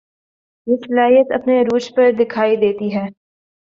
یہ صلاحیت اپنے عروج پر دکھائی دیتی ہے